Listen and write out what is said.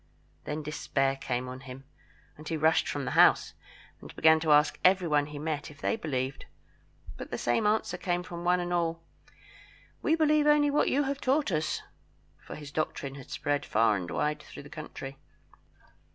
Then despair came on him, and he rushed from the house, and began to ask every one he met if they believed. But the same answer came from one and all "We believe only what you have taught us," for his doctrine had spread far and wide through the country.